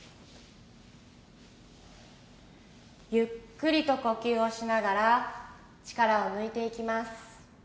ゆっくりと呼吸をしながら力を抜いていきます